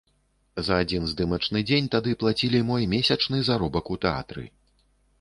За адзін здымачны дзень тады плацілі мой месячны заробак у тэатры.